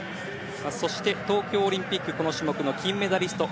そして東京オリンピックこの種目の金メダリスト